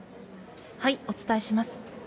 お伝えします。